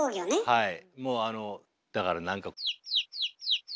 はい。